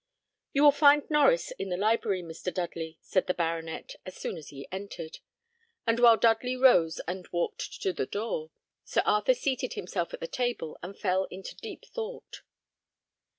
"You will find Norries in the library, Mr. Dudley," said the baronet, as soon as he entered; and while Dudley rose and walked to the door, Sir Arthur seated himself at the table and fell into deep thought.